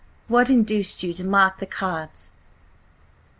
What induced you to mark the cards?"